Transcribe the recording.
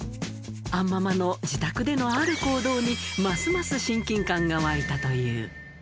杏ママの自宅でのある行動にますます親近感が湧いたという。